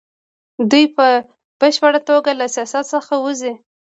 دوی په بشپړه توګه له سیاست څخه وځي.